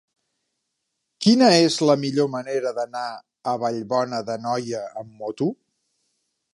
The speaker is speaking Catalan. Quina és la millor manera d'anar a Vallbona d'Anoia amb moto?